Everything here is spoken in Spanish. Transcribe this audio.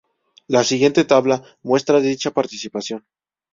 La siguiente tabla muestra dicha participación.